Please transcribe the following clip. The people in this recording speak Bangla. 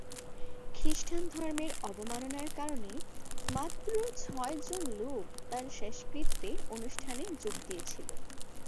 খ্রীষ্টান ধর্মের অবমাননার কারণে মাত্র ছয়জন লোক তার শেষকৃত্য অনুষ্ঠানে যোগ দিয়েছিল।